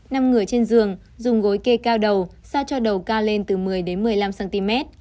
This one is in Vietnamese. nằm ngừa trên giường dùng gối kê cao đầu sao cho đầu cao lên từ một mươi một mươi năm cm